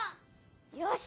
よし！